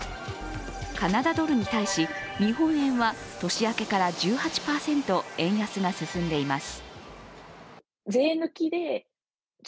カナダドルに対し、日本円は年明けから１８％円安が進んでいます。